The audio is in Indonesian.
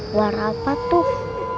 suara apa tuh